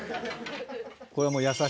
これも。